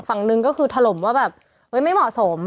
ฝั่งหนึ่งก็คือถล่มว่าแบบไม่เหมาะสม